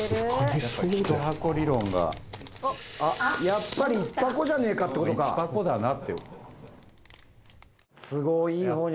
やっぱり１箱じゃねえかってことか１箱だなって怖いね